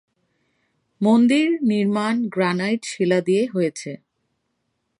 মন্দির নির্মাণ গ্রানাইট শিলা দিয়ে হয়েছে।